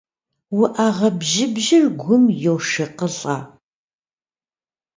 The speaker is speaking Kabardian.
УӀэгъэ бжьыбжьыр гум йошыкъылӀэ.